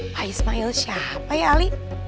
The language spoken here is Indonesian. pak ismail siapa ya ali